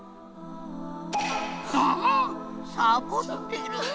あっサボってる！？